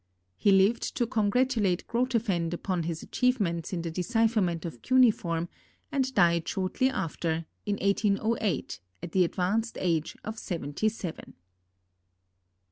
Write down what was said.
He lived to congratulate Grotefend upon his achievements in the decipherment of cuneiform and died shortly after, in 1808, at the advanced age of seventy seven.